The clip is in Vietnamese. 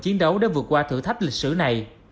chiến đấu để vượt qua thử thách lịch sử này